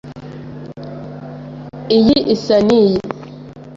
Iyi isa niyi.